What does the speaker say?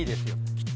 きっと。